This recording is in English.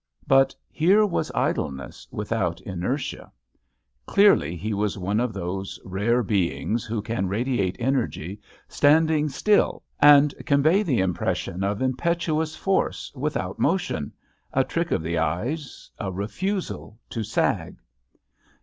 But here was idleness without inertia. JUST SWEETHEARTS Clearly he was one o£ those rare beings who can radiate energy standing still and convey the impression of impetuous force without motion, a trick of the eyes, a refusal to sag.